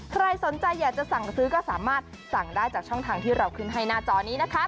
ใครสนใจอยากจะสั่งซื้อก็สามารถสั่งได้จากช่องทางที่เราขึ้นให้หน้าจอนี้นะคะ